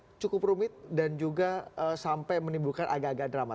ini cukup rumit dan juga sampai menimbulkan agak agak drama